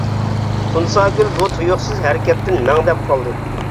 تۇنساگۈل بۇ تۇيۇقسىز ھەرىكەتتىن مەڭدەپ قالدى.